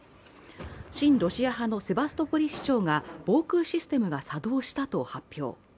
親ロシア派のセバストポリ市長が防空システムが作動したと発表。